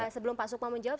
sebelum pak sukma menjawab